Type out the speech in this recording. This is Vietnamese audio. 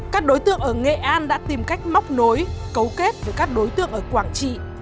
các đối tượng ở nghệ an đã tìm cách móc nối cấu kết với các đối tượng ở quảng trị